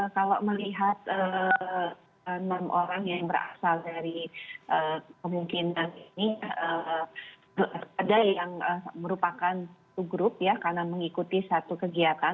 kalau melihat enam orang yang berasal dari kemungkinan ini ada yang merupakan satu grup ya karena mengikuti satu kegiatan